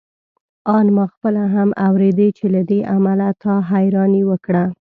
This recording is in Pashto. آن ما خپله هم اورېدې چې له دې امله تا حيراني وکړه.